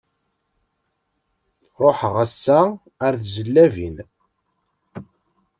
Ruḥeɣ ass-a ar Tijellabin.